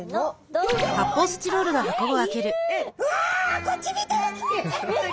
うわこっち見てる！